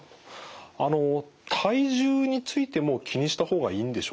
あの体重についても気にした方がいいんでしょうか？